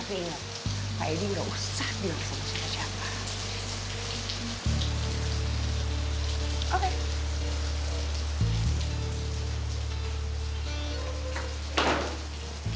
tapi inget pak edi gak usah dirusak sama si pecah pecah